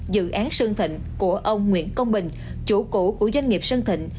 dự án sơn thịnh của ông nguyễn công bình chủ cũ của doanh nghiệp sơn thịnh